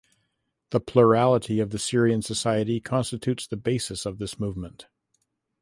The plurality of the Syrian society constitutes the basis of this movement.